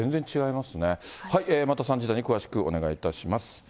また３時台に詳しくお願いいたします。